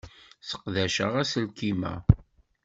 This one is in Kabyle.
Sseqdaceɣ aselkim-a.